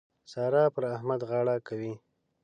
سارا پر احمد غاړه کوي.